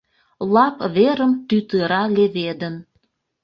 Лап верым тӱтыра леведын.